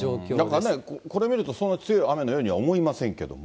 なんかね、これ見ると、そんな強い雨には思いませんけども。